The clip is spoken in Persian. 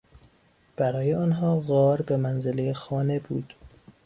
برای آنها غار به منزلهی خانه بود.